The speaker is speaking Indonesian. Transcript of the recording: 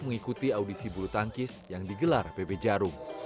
mengikuti audisi bulu tangkis yang digelar pb jarum di seluruh indoned championship